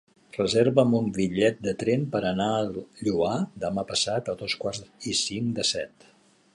Reserva'm un bitllet de tren per anar al Lloar demà passat a dos quarts i cinc de set.